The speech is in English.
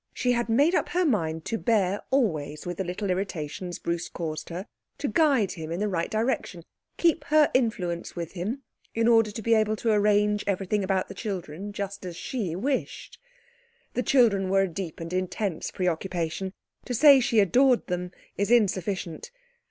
She had made up her mind to bear always with the little irritations Bruce caused her; to guide him in the right direction; keep her influence with him in order to be able to arrange everything about the children just as she wished. The children were a deep and intense preoccupation. To say she adored them is insufficient.